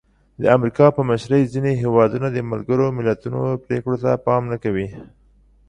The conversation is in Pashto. د امریکا په مشرۍ ځینې هېوادونه د ملګرو ملتونو پرېکړو ته پام نه کوي.